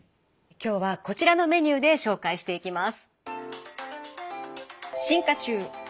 今日はこちらのメニューで紹介していきます。